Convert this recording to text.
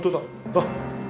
あっ。